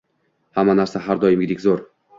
Hamma narsa har doimgidek zo'r...